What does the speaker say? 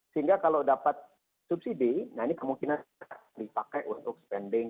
sehingga kalau dapat subsidi nah ini kemungkinan dipakai untuk spending